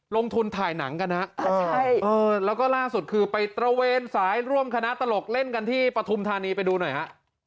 ลงทุนถ่ายหนังกันฮะแล้วก็ล่าสุดคือไปตระเวนสายร่วมคณะตลกเล่นกันที่ปฐุมธานีไปดูหน่อยฮะ